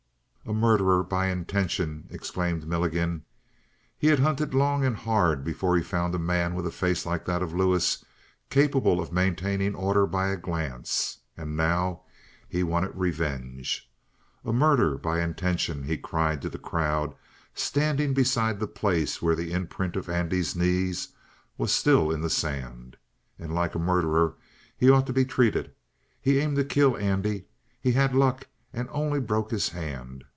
"A murderer by intention," exclaimed Milligan. He had hunted long and hard before he found a man with a face like that of Lewis, capable of maintaining order by a glance; now he wanted revenge. "A murder by intention!" he cried to the crowd, standing beside the place where the imprint of Andy's knees was still in the sand. "And like a murderer he ought to be treated. He aimed to kill Andy; he had luck and only broke his hand.